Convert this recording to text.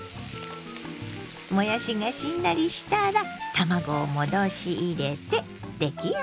もやしがしんなりしたら卵を戻し入れて出来上がり。